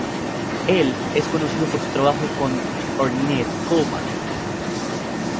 Él es conocido por su trabajo con Ornette Coleman.